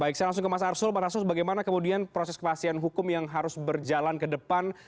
baik saya langsung ke mas arsul mas arsul bagaimana kemudian proses kepastian hukum yang harus berjalan ke depan